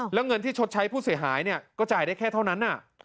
แล้วเงินที่ชดใช้ผู้เสียหายก็จ่ายได้แค่เท่านั้น